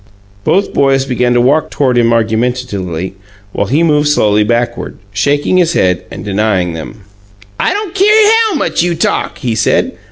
Both boys began to walk toward him argumentatively, while he moved slowly backward, shaking his head and denying them. "I don't keer how much you talk!" he said.